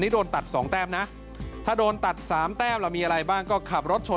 นี่โดนตัดสองแต้มนะถ้าโดนตัดสามแต้มล่ะมีอะไรบ้างก็ขับรถชน